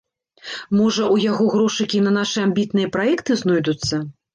Можа, у яго грошыкі і на нашы амбітныя праекты знойдуцца?